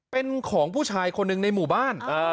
เป็นของผู้ชายคนหนึ่งในหมู่บ้าน